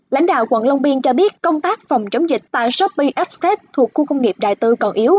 lãnh đạo quận long biên cho biết công tác phòng chống dịch tại shopee express thuộc khu công nghiệp đại tư còn yếu